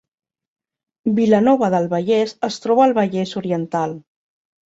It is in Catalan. Vilanova del Vallès es troba al Vallès Oriental